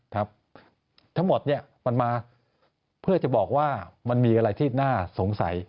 ทั้งหมดเนี่ยมันมาเพื่อจะบอกว่ามันมีอะไรที่น่าสงสัย